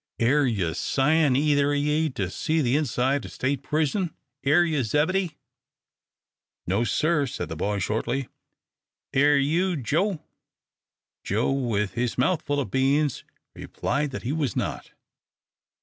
Air you sighin' either o' ye to see the inside o' State's prison? Air you, Zebedee?" "No, sir," said the boy, shortly. "Air you, Joe?" Joe, with his mouth full of beans, replied that he was not.